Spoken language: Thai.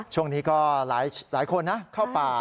ช่วงนี้ก็หลายคนนะเข้าป่า